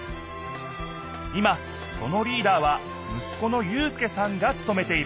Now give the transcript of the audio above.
今そのリーダーはむすこの祐輔さんがつとめている。